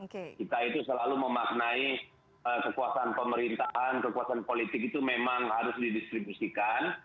kita itu selalu memaknai kekuasaan pemerintahan kekuasaan politik itu memang harus didistribusikan